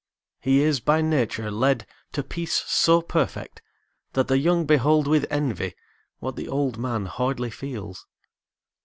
He is by nature led To peace so perfect, that the young behold With envy, what the old man hardly feels.